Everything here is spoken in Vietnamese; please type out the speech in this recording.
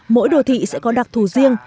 mỗi đô thị sẽ có đặc thù riêng